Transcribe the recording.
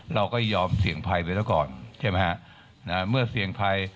เราก็ยอมเสี่ยงภัยไปแล้วก่อนเมื่อเสี่ยงภัย